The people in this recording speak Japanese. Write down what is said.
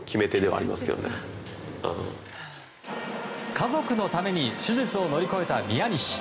家族のために手術を乗り越えた宮西。